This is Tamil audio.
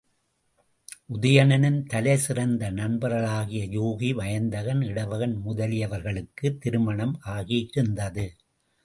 உதயணனின் தலைசிறந்த நண்பர்களாகிய யூகி, வயந்தகன், இடவகன் முதலியவர்களுக்கு திருமணம் ஆகியிருந்தது.